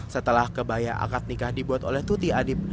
setelah kebaya akad nikah dibuat oleh tuti adib